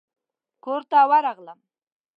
کورته ورغلم.